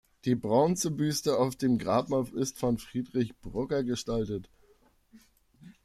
Die Bronzebüste auf dem Grabmal ist von Friedrich Brugger gestaltet.